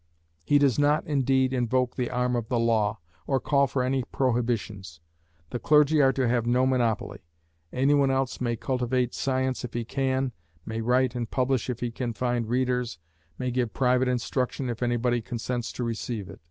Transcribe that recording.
He does not, indeed, invoke the arm of the law, or call for any prohibitions. The clergy are to have no monopoly. Any one else may cultivate science if he can, may write and publish if he can find readers, may give private instruction if anybody consents to receive it.